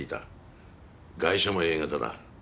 ガイシャもＡ型だ。